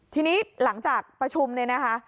ทีนี้หลังจากประชุมเนี่ยนะคะ